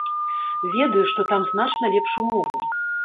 Ведаю, што там значна лепш умовы.